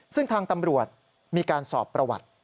ซึ่งทางตำรวจมีการสอบประวัติ